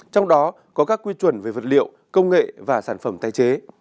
trong đó có các quy chuẩn về vật liệu công nghệ và sản phẩm tái chế